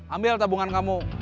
ambil tabungan kamu